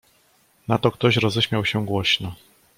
"Na to ktoś roześmiał się głośno."